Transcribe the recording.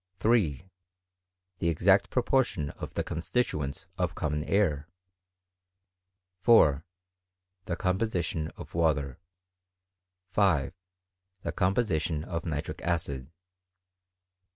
3. The exact proportion of the constituent* of common air. 4, The composition of water. 5, Thft composition of nitric acid.